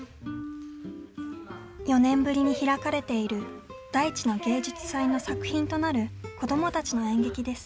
４年ぶりに開かれている「大地の芸術祭」の作品となる子どもたちの演劇です。